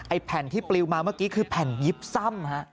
แผ่นที่ปลิวมาเมื่อกี้คือแผ่นยิบซ่ำฮะ